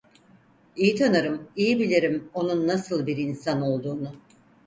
İyi tanırım, iyi bilirim onun nasıl bir insan olduğunu.